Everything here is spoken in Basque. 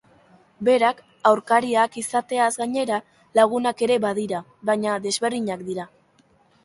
Berak aurkariak izateaz gainera, lagunak ere badira, baina desberdinak dira.